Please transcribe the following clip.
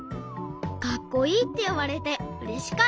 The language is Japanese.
かっこいいっていわれてうれしかった。